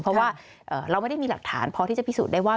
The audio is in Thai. เพราะว่าเราไม่ได้มีหลักฐานพอที่จะพิสูจน์ได้ว่า